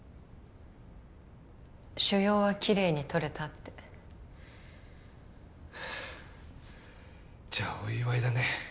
腫瘍はきれいにとれたってはあじゃあお祝いだね